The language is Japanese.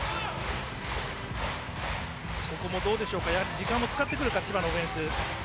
時間を使ってくるか千葉のオフェンス。